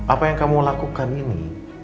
apa yang kamu lakukan ini